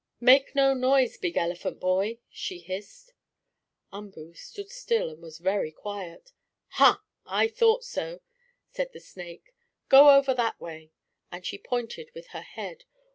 "Make no noise, big elephant boy!" she hissed. Umboo stood still and was very quiet. "Ha! I thought so!" said the snake. "Go over that way," and she pointed with her head.